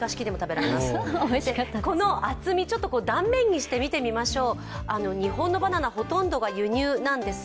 この厚み、断面にして見てみましょう。